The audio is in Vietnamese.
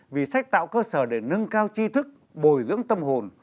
vì sách tạo cơ sở để nâng cao chi thức bồi dưỡng tâm hồn